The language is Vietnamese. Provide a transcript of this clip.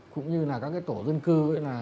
cũng như là các tổ dân cư